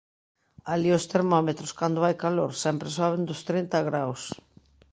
Alí os termómetros cando vai calor sempre soben dos trinta graos.